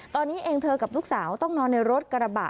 ตอนนี้เองเธอกับลูกสาวต้องนอนในรถกระบะ